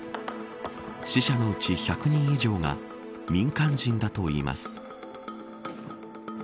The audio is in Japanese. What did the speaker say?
死者のうち１００人以上が民間人だといいます。